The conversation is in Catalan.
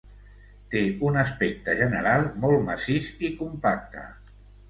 Té un aspecte general molt massís i compacte.